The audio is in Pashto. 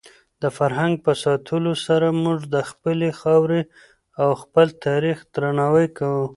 د فرهنګ په ساتلو سره موږ د خپلې خاورې او خپل تاریخ درناوی کوو.